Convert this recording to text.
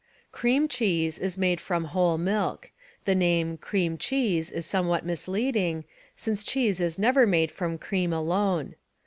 Cream Cheese is made from whole milk. The name "cream cheese" is somewhat misleading, since cheese is never made from cream alone.